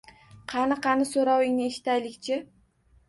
Qani-qani, so‘rovingni eshitaylik-chi